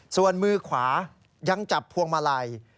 ส่วนมือขวายังจับพวงมาลัย